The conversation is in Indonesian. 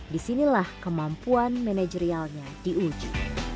disinilah kemampuan manajerialnya diuji